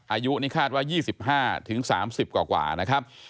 อายุนี่คาดว่า๒๕๓๐กว่านะครับ